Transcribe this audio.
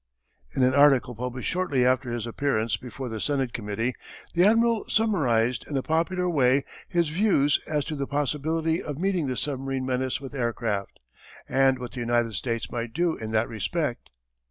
In an article published shortly after his appearance before the Senate Committee, the Admiral summarized in a popular way his views as to the possibility of meeting the submarine menace with aircraft, and what the United States might do in that respect.